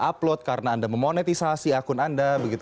upload karena anda memonetisasi akun anda begitu